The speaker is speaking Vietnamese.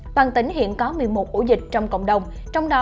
toàn tỉnh hiện có một mươi một ổ dịch trong cộng đồng